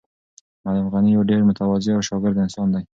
معلم غني یو ډېر متواضع او شاکر انسان دی.